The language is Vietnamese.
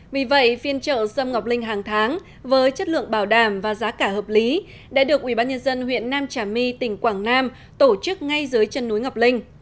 vì vậy phiên chợ sâm ngọc linh hàng tháng với chất lượng bảo đảm và giá cả hợp lý đã được ubnd huyện nam trà my tỉnh quảng nam tổ chức ngay dưới chân núi ngọc linh